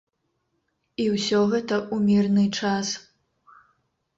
І ўсё гэта ў мірны час.